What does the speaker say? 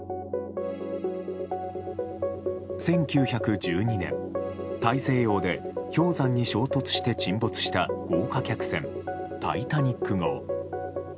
１９１２年、大西洋で氷山に衝突して沈没した豪華客船「タイタニック号」。